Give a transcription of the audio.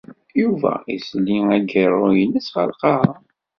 Yuba izelli ageṛṛu-nnes ɣer lqaɛa.